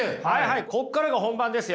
ここからが本番ですよ。